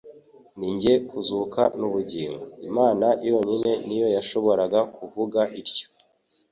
« Ninjye kuzuka n'ubugingo ». Imana yonyine niyo yashoboraga <kuvuga ityo.